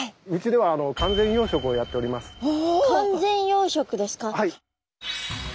はい。